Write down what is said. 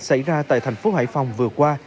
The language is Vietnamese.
xảy ra tại thành phố hải phòng vừa qua